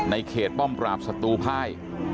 เขตป้อมปราบศัตรูภาย